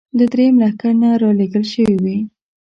له درېیم لښکر نه را لېږل شوې وې.